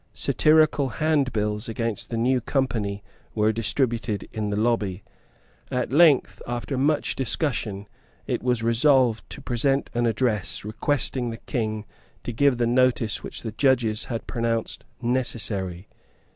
Satirical handbills against the new Company were distributed in the lobby. At length, after much discussion, it was resolved to present an address requesting the King to give the notice which the judges had pronounced necessary.